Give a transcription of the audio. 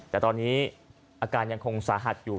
แต่ตอนนี้อาการยังคงสาหัสอยู่